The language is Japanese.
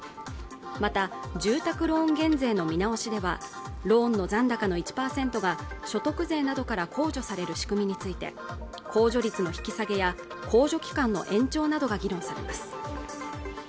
また住宅ローン減税の見直しではローンの残高の１％が所得税などから控除される仕組みについて控除率の引き下げや控除期間の延長などが議論されます